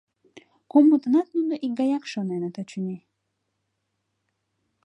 Кумытынат нуно икгаяк шоненыт, очыни.